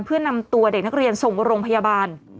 เพื่อนำตัวเด็กนักเรียนส่งโรงพยาบาล